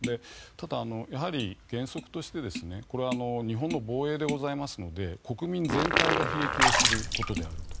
ただ、やはり原則として日本の防衛でございますので国民全体が被益をすることであると。